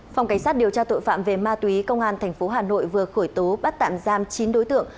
phòng cảnh sát điều tra tội phạm về ma túy công an tp hà nội vừa khởi tố bắt tạm giam chín đối tượng